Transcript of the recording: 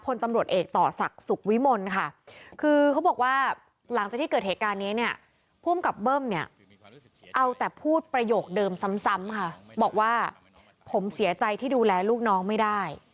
พลตำรวจเอกต่อศักดิ์ศุกร์วิมลค่ะ